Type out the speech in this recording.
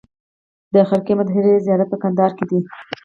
د خرقې مطهرې زیارت په کندهار کې دی